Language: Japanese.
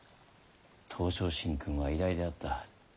東照神君は偉大であった。